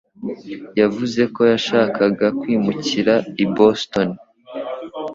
yavuze ko yashakaga kwimukira i Boston.